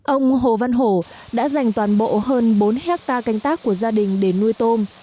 ông hồ văn hổ đã dành toàn bộ hơn bốn hectare canh tác của gia đình để nuôi tôm